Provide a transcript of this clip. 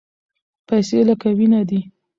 پیسې لکه وینه دي.